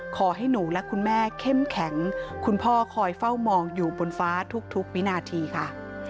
ขอให้หนูและคุณแม่เข้มแข็งคุณพ่อคอยเฝ้ามองอยู่บนฟ้าทุกวินาทีค่ะ